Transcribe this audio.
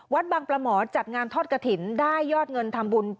วัดบางปรมอล์จัดงานทศกทิศได้ยอดเงินทำบุญ